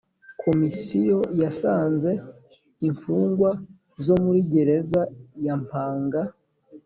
Komisiyo yasanze imfungwa zo muri gereza ya mpanga